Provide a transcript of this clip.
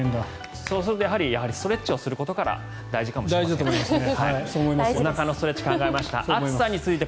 そうするとストレッチをすることが大事かもしれませんね。